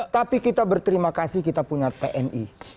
tapi kita berterima kasih kita punya tni